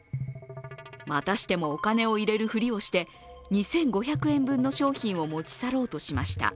またしても、お金を入れるふりをして２５００円分の商品を持ち去ろうとしました。